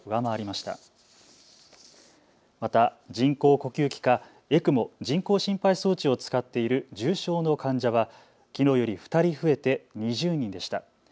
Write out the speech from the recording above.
また人工呼吸器かＥＣＭＯ・人工心肺装置を使っている重症の患者はきのうより２人増えて２０人でした。